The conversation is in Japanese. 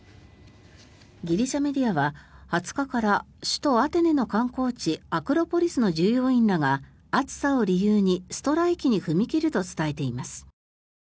ギリシャメディアは２０日から首都アテネの観光地アクロポリスの従業員らが暑さを理由に、ストライキに踏み切ると伝えています。